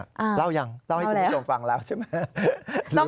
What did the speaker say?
เล่ายังเล่าให้คุณผู้ชมฟังแล้วใช่ไหม